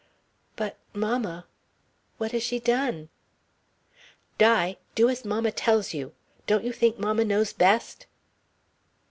"But, mamma. What has she done?" "Di! Do as mamma tells you. Don't you think mamma knows best?"